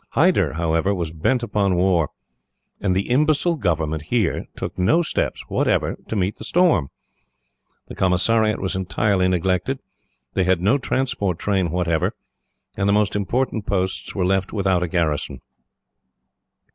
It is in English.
Hyder, however, was bent upon war, and the imbecile government here took no steps, whatever, to meet the storm. The commissariat was entirely neglected, they had no transport train whatever, and the most important posts were left without a garrison.